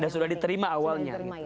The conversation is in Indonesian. sudah diterima awalnya